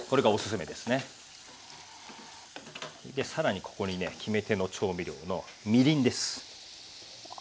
で更にここにね決め手の調味料のみりんです。